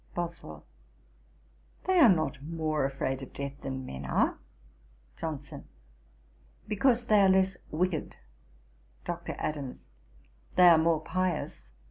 BOSWELL. 'They are not more afraid of death than men are.' JOHNSON. 'Because they are less wicked.' DR. ADAMS. 'They are more pious.'